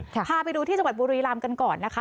พาไปดูที่จังหวัดบุรีรำกันก่อนนะคะ